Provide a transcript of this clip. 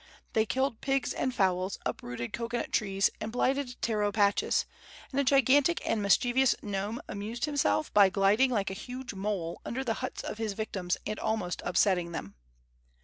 They killed pigs and fowls, uprooted cocoanut trees and blighted taro patches, and a gigantic and mischievous gnome amused himself by gliding like a huge mole under the huts of his victims and almost upsetting them.